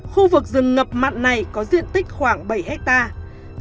khu vực rừng ngập mặn này có diện tích khoảng bảy hectare